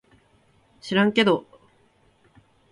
しらんけど